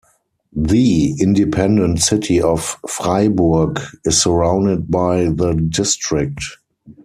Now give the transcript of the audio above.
The independent city of Freiburg is surrounded by the district.